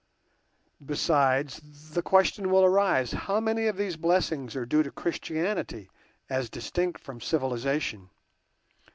Besides, the question will arise: How many of these blessings are due to Christianity as distinct from civilization?